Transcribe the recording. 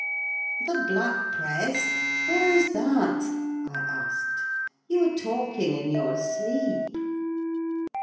"The black press? where is that?" I asked. "You are talking in your sleep!"